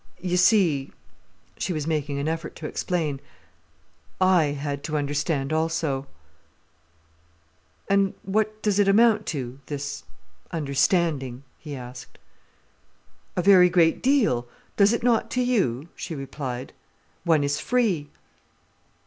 "You see"—she was making an effort to explain—"I had to understand also." "And what does it amount to, this understanding?" he asked. "A very great deal—does it not to you?" she replied. "One is free."